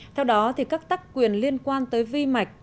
theo đó các tắc quyền liên quan tới vi mạch